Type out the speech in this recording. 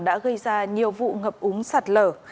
đã gây ra nhiều vụ ngập úng sạt lở